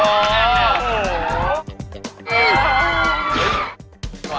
โอ้โห